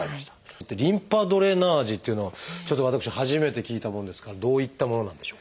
リンパドレナージっていうのはちょっと私初めて聞いたもんですからどういったものなんでしょうか？